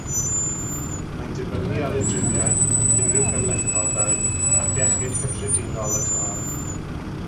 Mae'n dibynnu ar y driniaeth, unrhyw gymhlethdodau ac iechyd cyffredinol y claf.